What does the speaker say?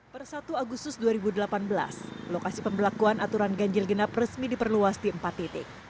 per satu agustus dua ribu delapan belas lokasi pembelakuan aturan ganjil genap resmi diperluas di empat titik